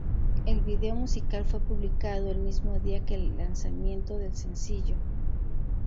El vídeo musical fue publicado el mismo día que el lanzamiento del sencillo.